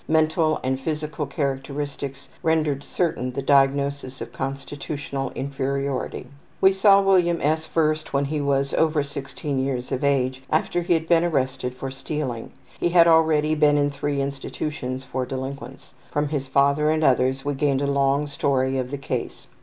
Mental and physical characteristics rendered certain the diagnosis of constitutional inferiority. We saw William S. first when he was over 16 years of age, after he had been arrested for stealing. He had already been in three institutions for delinquents. From his father and others we gained a long story of the case.